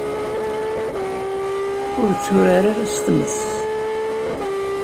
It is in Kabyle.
Ur tturar ara s tmes.